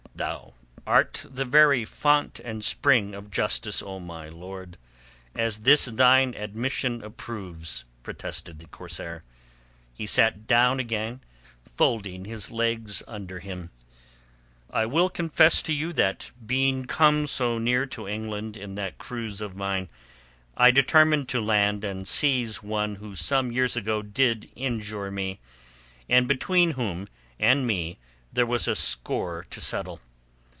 "Thou art the very fount and spring of justice, O my lord, as this thine admission proves," protested the corsair. He sat down again, folding his legs under him. "I will confess to you that being come so near to England in that cruise of mine I determined to land and seize one who some years ago did injure me, and between whom and me there was a score to settle.